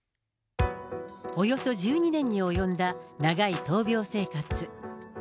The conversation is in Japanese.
およそ１２年に及んだ長い闘病生活。